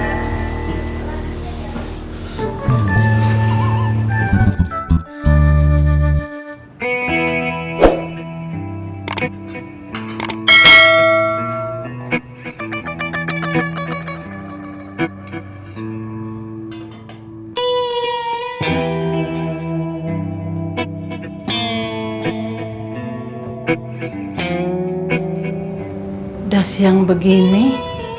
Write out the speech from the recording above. udah pagi nih